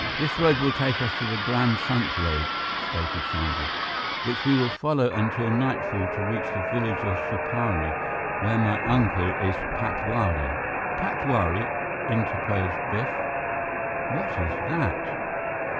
"This road will take us to the Grand Trunk Road," stated Chandra, "which we will follow until nightfall to reach the village of Supari, where my uncle is patwari " "Patwari?" interposed Biff. "What is that?"